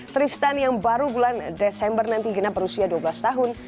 tristan yang baru bulan desember nanti genap berusia dua belas tahun